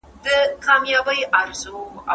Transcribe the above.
سپین سرې په خپل کبر سره د ژوند وروستۍ خبره وکړه.